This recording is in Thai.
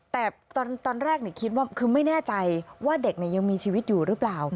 แต่ตอนแรกคิดว่าคือไม่แน่ใจว่าเด็กยังมีชีวิตอยู่หรือเปล่า